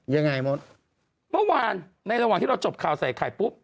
ยังไงมดเมื่อวานในระหว่างที่เราจบข่าวใส่ไข่ปุ๊บ